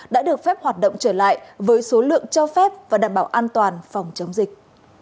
đã được phép hoạt động trở lại với số lượng cho phép và đảm bảo an toàn phòng chống dịch